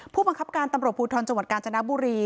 ผู้บังคับการตำรวจภูทรจังหวัดกาญจนบุรี